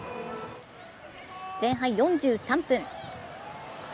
前半４３分。